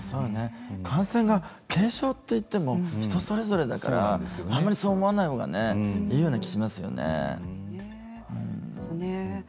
感染が軽症といっても人それぞれだからあまりそう思わないほうがいいような気がしますよね。